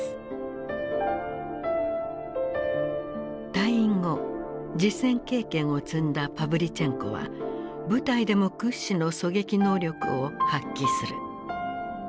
退院後実戦経験を積んだパヴリチェンコは部隊でも屈指の狙撃能力を発揮する。